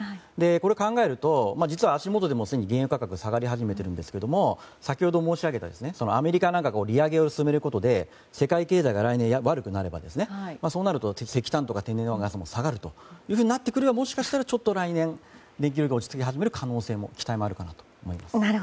これ、考えると実は足元でも、すでに原油価格が下がり始めているんですが先ほど申し上げたアメリカが利上げを進めることで世界経済が来年、悪くなればそうなると、石炭とか天然ガスが下がるとなったらもしかしたらちょっと来年、電気料金が落ち着く期待もあるかなと思います。